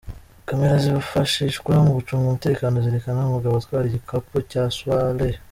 Camera zifashishwa mu gucunga umutekano zerekana umugabo atwara igikapu cya Swaleh.